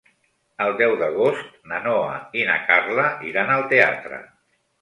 El deu d'agost na Noa i na Carla iran al teatre.